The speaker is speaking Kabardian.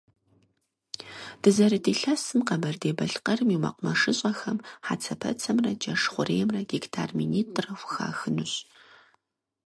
Дызэрыт илъэсым Къэбэрдей-Балъкъэрым и мэкъумэшыщӀэхэм хьэцэпэцэмрэ джэш хъуреймрэ гектар минитӀрэ хухахынущ.